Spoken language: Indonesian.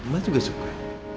mas juga suka